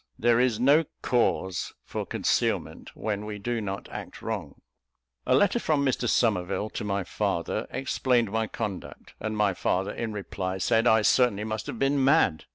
There is no cause for concealment when we do not act wrong. A letter from Mr Somerville to my father explained my conduct; and my father, in reply, said I certainly must have been mad.